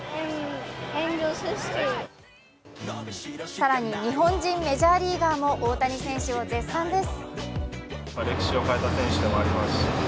更に日本人メジャーリーガーも大谷選手を絶賛です。